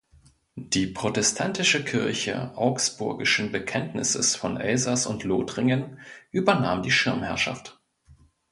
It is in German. Die Protestantische Kirche Augsburgischen Bekenntnisses von Elsass und Lothringen übernahm die Schirmherrschaft.